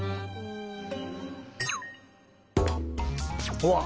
うわっ！